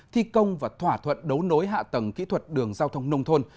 thi công và thỏa thuận đấu nối hạ tầng kỹ thuật đường giao thông nông thôn